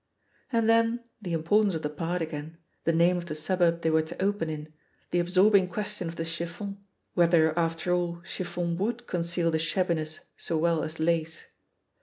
And then, the importance of the part again, the name of the suburb they were to "open" in, the absorbing question of the "chiffon," whether, after all, chiffon would conceal the shabbiness so well as lace.